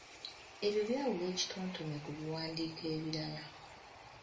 Ebyo byawula ekitontome ku biwandiiko ebirala.